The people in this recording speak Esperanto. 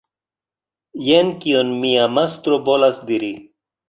Jen kion mia mastro volas diri.